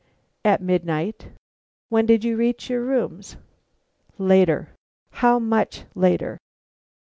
"At midnight." "When did you reach your rooms?" "Later." "How much later?"